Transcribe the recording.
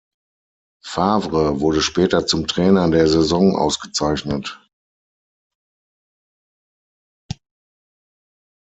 Favre wurde später zum Trainer der Saison ausgezeichnet.